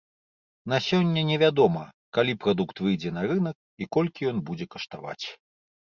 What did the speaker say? На сёння невядома, калі прадукт выйдзе на рынак і колькі ён будзе каштаваць.